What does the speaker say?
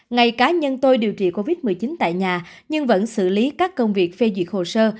ngày cá nhân tôi điều trị covid một mươi chín tại nhà nhưng vẫn xử lý các công việc phê duyệt hồ sơ